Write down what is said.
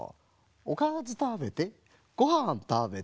「おかずたべてごはんたべて」